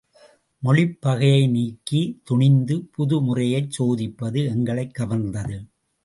மொழிப் பகையை நீக்கி, துணிந்து, புது முறையைச் சோதிப்பது எங்களைக் கவர்ந்தது.